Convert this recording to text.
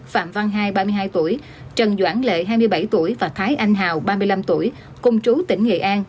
phạm văn hai ba mươi hai tuổi trần doãn lệ hai mươi bảy tuổi và thái anh hào ba mươi năm tuổi cùng chú tỉnh nghệ an